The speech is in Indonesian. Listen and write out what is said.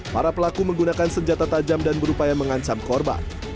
para pelaku menggunakan senjata tajam dan berupaya mengancam korban